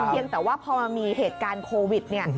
เพียงแต่ว่าพอมีเหตุการณ์โควิด